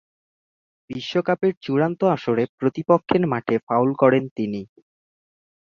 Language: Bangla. বিশ্বকাপের চূড়ান্ত আসরে প্রতিপক্ষের মাঠে ফাউল করেন তিনি।